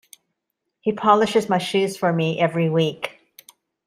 He polishes my shoes for me every week.